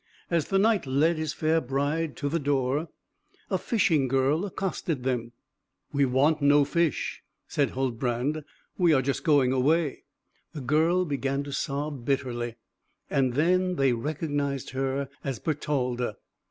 As the Knight led his fair bride to the door, a fishing girl accosted them. "We want no fish," said Huldbrand; "we are just going away." The girl began to sob bitterly, and they then recognised her as Bertalda.